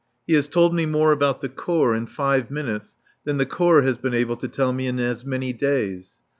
He has told me more about the Corps in five minutes than the Corps has been able to tell me in as many days.